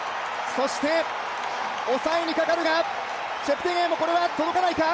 そして、抑えにかかるがチェプテゲイも届かないか。